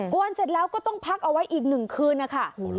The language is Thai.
วนเสร็จแล้วก็ต้องพักเอาไว้อีก๑คืนนะคะ